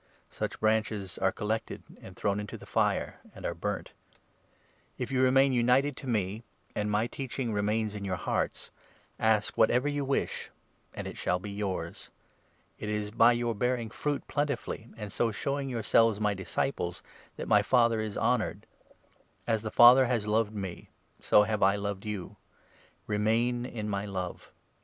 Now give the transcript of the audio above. Such branches are collected and thrown into the fire, and are burnt. If you remain united to me, and my teaching remains 7 in your hearts, ask whatever you wish, and it shall be yours. It is by your bearing fruit plentifully, and so showing your 8 selves my disciples, that my Father is honoured. As the 9 Father has loved me, so have I loved you ; remain in my love.